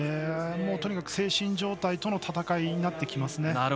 もう、とにかく精神状態との戦いになってきますね。